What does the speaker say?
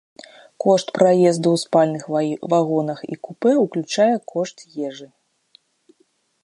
Кошт праезду ў спальных вагонах і купэ ўключае кошт ежы.